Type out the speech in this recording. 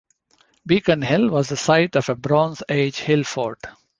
Beacon Hill was the site of a Bronze Age hill fort.